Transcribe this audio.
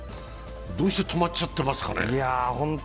どうして止まっちゃってますかね。